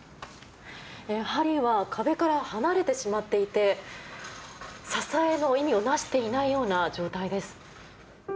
はりは壁から離れてしまっていて支えの意味を成していないような状態です。